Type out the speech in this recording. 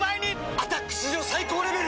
「アタック」史上最高レベル！